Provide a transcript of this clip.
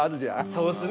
そうっすね。